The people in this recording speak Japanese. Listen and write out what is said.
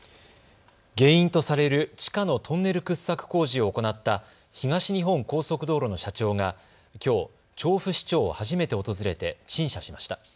原因とされる地下のトンネル掘削工事を行った東日本高速道路の社長がきょう、調布市長を初めて訪れて陳謝しました。